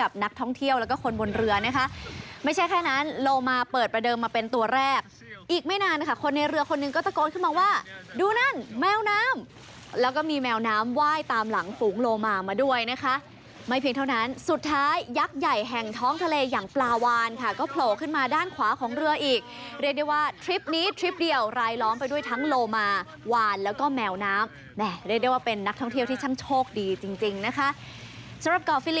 กับนักท่องเที่ยวและคนบนเรือนะคะไม่ใช่แค่นั้นโลมาเปิดไปเดิมมาเป็นตัวแรกอีกไม่นานคนในเรือคนหนึ่งก็ตะโกนขึ้นมาว่าดูนั่นแมวน้ำแล้วก็มีแมวน้ำไหว้ตามหลังฟุ้งโลมามาด้วยนะคะไม่เพียงเท่านั้นสุดท้ายยักษ์ใหญ่แห่งท้องทะเลอย่างปลาวานก็โผล่ขึ้นมาด้านขวาของเรืออีกเรียกได้ว่าทริปนี้ทริป